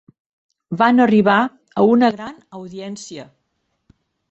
Van arribar a una gran audiència.